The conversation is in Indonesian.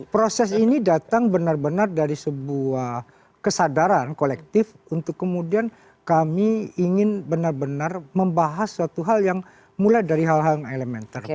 jadi proses ini datang benar benar dari sebuah kesadaran kolektif untuk kemudian kami ingin benar benar membahas suatu hal yang mulai dari hal hal yang elemen terakhir